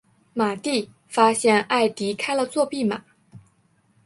马蒂发现埃迪开了作弊码。